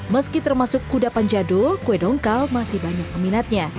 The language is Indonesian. meski termasuk kuda panjadul kue dongkal masih banyak peminatnya